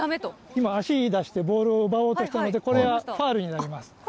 今、足を出してボールを奪おうとしたので、これがファウルになります。